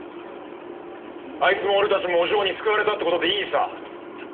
あいつも俺たちもお嬢に救われたって事でいいさ。